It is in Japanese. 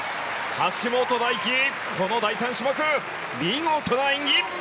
橋本大輝、この第３種目見事な演技！